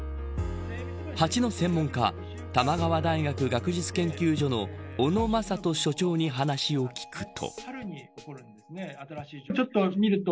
蜂の専門家玉川大学学術研究所の小野正人所長に話を聞くと。